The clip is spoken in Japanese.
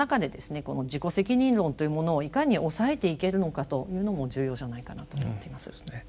この自己責任論というものをいかに抑えていけるのかというのも重要じゃないかなと思っています。